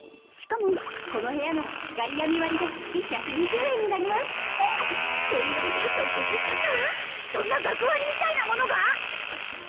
しかもこの部屋なら光闇割で月１２０円になりますって言われて即決しちゃったわそんな学割みたいなものが！？